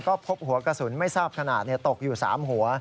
ก็พบหัวกระสุนไม่ทราบขนาดตกอยู่๓หัว